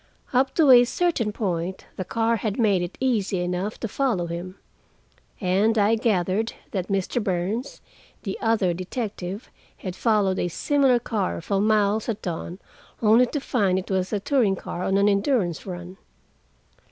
Up to a certain point the car had made it easy enough to follow him. And I gathered that Mr. Burns, the other detective, had followed a similar car for miles at dawn, only to find it was a touring car on an endurance run.